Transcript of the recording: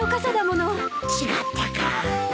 違ったか。